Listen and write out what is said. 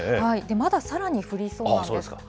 まださらに降りそうなんです。